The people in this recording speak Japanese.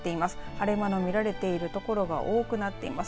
晴れ間の見られているところが多くなっています。